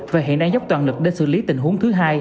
và hiện đang dốc toàn lực để xử lý tình huống thứ hai